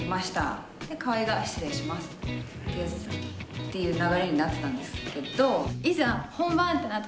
っていう流れになってたんですけど。